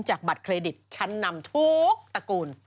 บัตรเครดิตชั้นนำทุกตระกูล